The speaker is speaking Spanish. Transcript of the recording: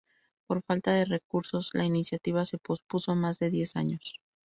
Por falta de recursos, la iniciativa se pospuso más de diez años.